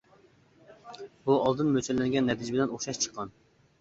بۇ ئالدىن مۆلچەرلەنگەن نەتىجە بىلەن ئوخشاش چىققان.